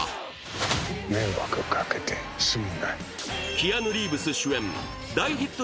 キアヌ・リーブス主演大ヒット